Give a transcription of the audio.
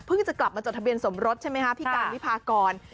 จะกลับมาจดทะเบียนสมรสใช่ไหมคะพี่การวิพากร